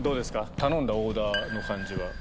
頼んだオーダーの感じは。